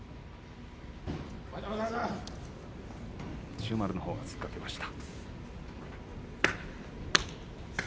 千代丸のほうが突っかけました。